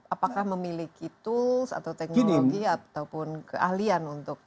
apakah memiliki tools atau teknologi ataupun keahlian untuk